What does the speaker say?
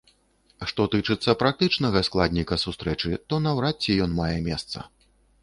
Што тычыцца практычнага складніка сустрэчы, то наўрад ці ён мае месца.